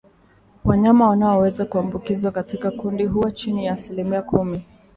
Wanyama wanaoweza kuambukizwa katika kundi huwachini ya asilimia kumi